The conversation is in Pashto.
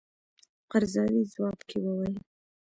قرضاوي ځواب کې وویل.